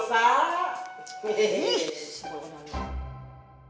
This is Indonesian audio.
paling paling juga ke facebook